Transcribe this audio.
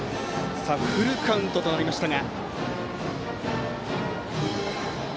フルカウントとなりました。